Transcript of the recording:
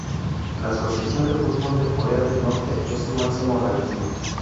La Asociación de Fútbol de Corea del Norte es su máximo organismo.